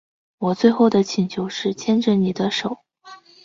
我最后的请求是牵着妳的手